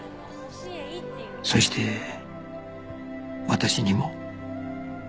そして私にも